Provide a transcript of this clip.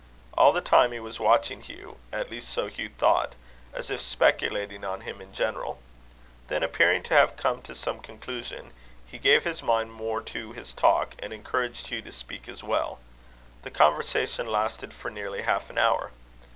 All the time he was watching Hugh at least so Hugh thought as if speculating on him in general. Then appearing to have come to some conclusion, he gave his mind more to his talk, and encouraged Hugh to speak as well. The conversation lasted for nearly half an hour.